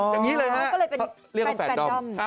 อย่างนี้เลยนะเขาเรียกว่าแฟนดอม